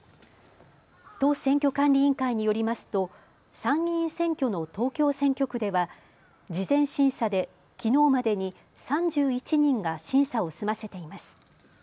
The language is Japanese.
都選挙管理委員会によりますと参議院選挙の東京選挙区では事前審査できのうまでに３１人が審査を済ませています。